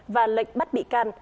và lệnh bắt bị can